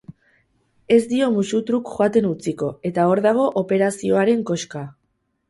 Ez dio muxutruk joaten utziko eta hor dago operazioaren koska.